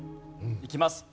いきます。